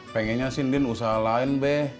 pengennya sih ndin usahain